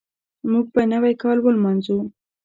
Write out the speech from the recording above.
موږ به نوی کال ولمانځو.